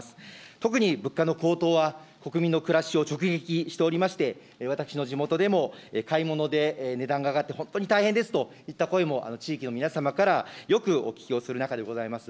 特に、物価の高騰は国民の暮らしを直撃しておりまして、私の地元でも、買い物で値段が上がって本当に大変ですといった声も、地域の皆様からよくお聞きをする中でございます。